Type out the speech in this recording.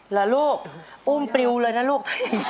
เหรอลูกอุ้มปลิวเลยนะลูก